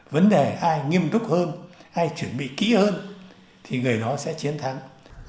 vấn đề ai nghiêm túc hơn hay chuẩn bị kỹ hơn thì người đó sẽ chiến thắng